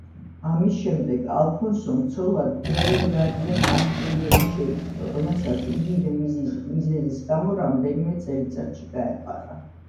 ამის შემდეგ ალფონსომ ცოლად ბერენგარია კასტილიელი შეირთო, რომელსაც იგივე მიზეზის გამო რამდენიმე წელიწადში გაეყარა.